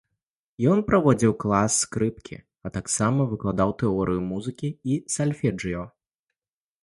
Ён праводзіў клас скрыпкі, а таксама выкладаў тэорыю музыкі і сальфэджыё.